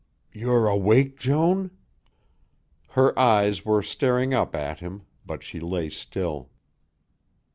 "You're awake, Joan?" Her eyes were staring up at him, but she lay still.